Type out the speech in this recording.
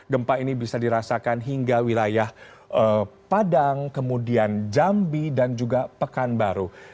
gempa ini bisa dirasakan hingga wilayah padang kemudian jambi dan juga pekanbaru